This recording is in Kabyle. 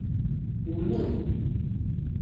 Umnen?